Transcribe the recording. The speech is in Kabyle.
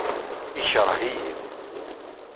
Yekṛeh-iyi.